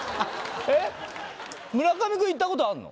えっ村上くん行ったことあんの？